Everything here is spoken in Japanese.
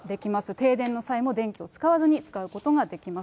停電の際も電気を使わずに使うことができます。